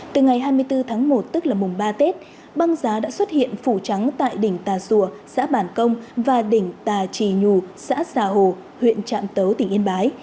từ ngày hai mươi bốn tháng một tức là mùng ba tết băng giá đã xuất hiện phủ trắng tại đỉnh tà xùa xã bản công và đỉnh tà trì nhù xã xà hồ huyện trạm tấu tỉnh yên bái